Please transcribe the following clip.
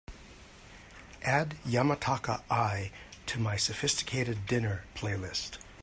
add Yamataka Eye to my sophisticated dinner playlist